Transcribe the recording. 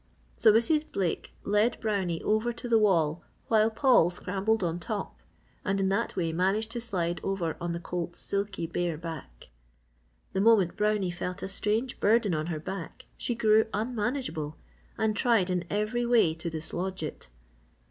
So Mrs. Blake led Brownie over to the wall while Paul scrambled on top and in that way managed to slide over on the colt's silky bare back. The moment Brownie felt a strange burden on her back she grew unmanageable and tried in every way to dislodge it.